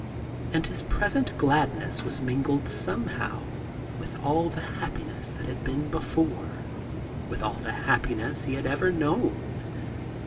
And his present gladness was mingled somehow with all the happi ness that had been before; with all the happiness he had ever known.